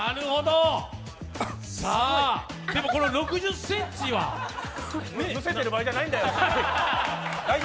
さあ、でも６０ｃｍはむせてる場合じゃないんだよ、大丈夫？